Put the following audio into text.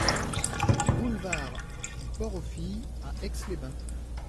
Boulevard du Port aux Filles à Aix-les-Bains